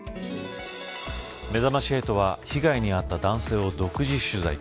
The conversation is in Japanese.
めざまし８は被害に遭った男性を独自取材。